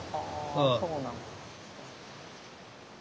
あそうなん。